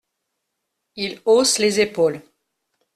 Il hausse les épaules.